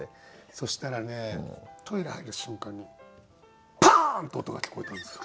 そしたらねトイレ入る瞬間にパーン！って音が聞こえたんですよ。